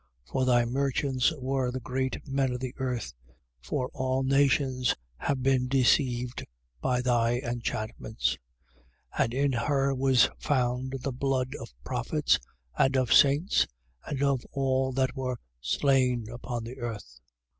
For thy merchants were the great men of the earth: for all nations have been deceived by thy enchantments. 18:24. And in her was found the blood of prophets and of saints and of all that were slain upon the earth.